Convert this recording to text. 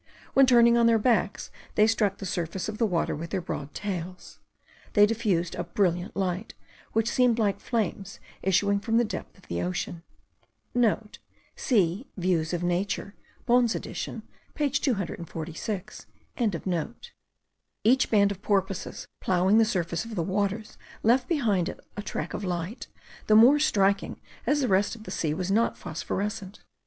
When turning on their backs, they struck the surface of the water with their broad tails; they diffused a brilliant light, which seemed like flames issuing from the depth of the ocean.* (* See Views of Nature Bohn's edition page 246.) Each band of porpoises, ploughing the surface of the waters, left behind it a track of light, the more striking as the rest of the sea was not phosphorescent.